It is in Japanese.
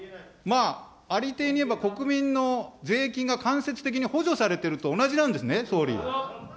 ありていに言えば、国民の税金が間接的に補助されていると同じなんですね、総理。